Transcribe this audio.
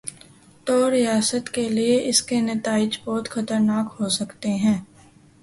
توریاست کے لیے اس کے نتائج بہت خطرناک ہو سکتے ہیں۔